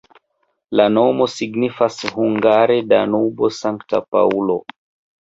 La nomo signifas hungare Danubo-Sankta Paŭlo.